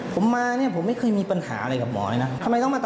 ขอไปข้างหน้ากับผมก็ได้